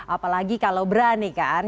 apalagi kalau berani kan